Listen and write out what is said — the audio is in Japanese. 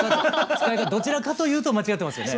使い方どちらかというと間違ってますよね。